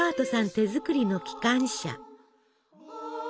手作りの機関車。